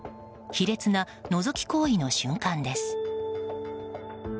卑劣なのぞき行為の瞬間です。